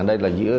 ở đây là giữa